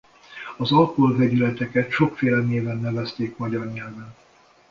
Az alkohol vegyületeket sokféle néven nevezték magyar nyelven.